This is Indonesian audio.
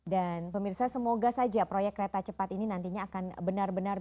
dan pemirsa semoga saja proyek reta cepat ini nantinya akan benar benar